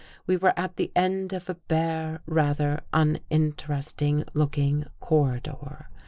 We were at the end of a bare, rather uninteresting looking corridor.